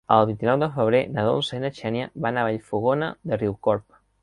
El vint-i-nou de febrer na Dolça i na Xènia van a Vallfogona de Riucorb.